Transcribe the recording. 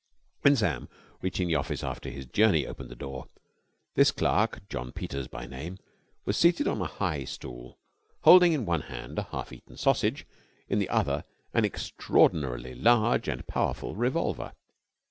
When Sam, reaching the office after his journey, opened the door, this clerk, John Peters by name, was seated on a high stool, holding in one hand a half eaten sausage, in the other an extraordinary large and powerful revolver.